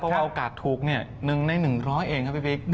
เพราะว่าโอกาสถูก๑ใน๑๐๐เองครับพี่ฟิก